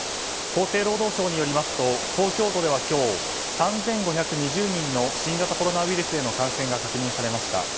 厚生労働省によりますと東京都では今日３５２０人の新型コロナウイルスへの感染が確認されました。